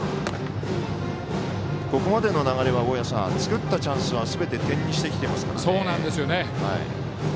ここまでの流れは作ったチャンスはすべて点にしてきてますね。